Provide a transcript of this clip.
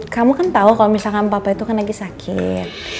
kamu kan tau kalo papa itu kan lagi sakit